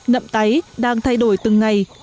nậm táy đang thay đổi từng ngày